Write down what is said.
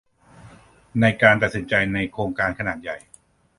ในการตัดสินใจในโครงการขนาดใหญ่